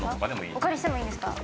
お借りしてもいいんですか？